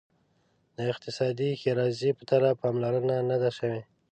د اقتصادي ښیرازي په طرف پاملرنه نه ده شوې.